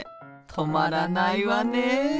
止まらないわね。